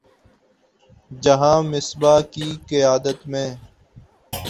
جہاں مصباح کی قیادت میں